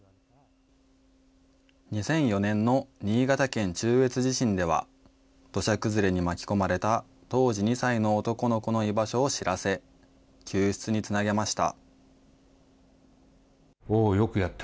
２００４年の新潟県中越地震では、土砂崩れに巻き込まれた当時２歳の男の子の居場所を知らせ、救出につなげました。